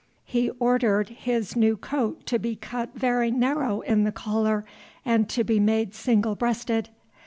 He ordered his new coat to be cut very narrow in the collar and to be made single breasted.